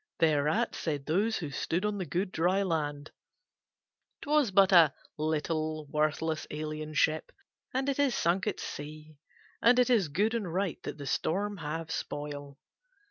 Thereat said those who stood on the good dry land: "'Twas but a little, worthless alien ship and it is sunk at sea, and it is good and right that the storm have spoil."